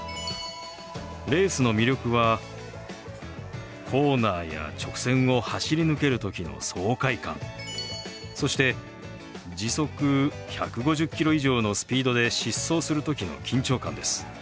レースの魅力はコーナーや直線を走り抜ける時の爽快感そして時速１５０キロ以上のスピードで疾走する時の緊張感です。